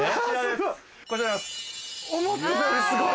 思ってたよりすごい。